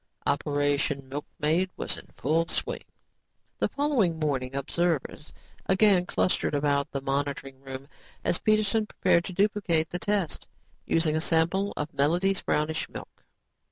Operation Milkmaid was in full swing! The following morning observers again clustered about the monitoring room as Peterson prepared to duplicate the tests, using a sample of the Melody's brownish milk.